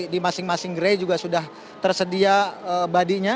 di masing masing gerai juga sudah tersedia body nya